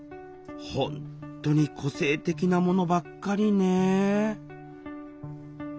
本当に個性的なものばっかりね